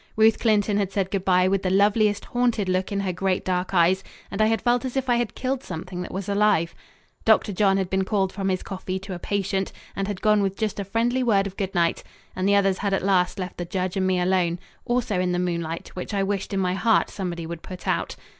Ruth Clinton had said good bye with the loveliest haunted look in her great dark eyes, and I had felt as if I had killed something that was alive. Dr. John had been called from his coffee to a patient and had gone with just a friendly word of good night, and the others had at last left the judge and me alone also in the moonlight, which I wished in my heart somebody would put out.